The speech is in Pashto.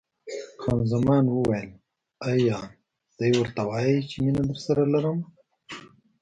خان زمان وویل: ایا دی ورته وایي چې مینه درسره لرم؟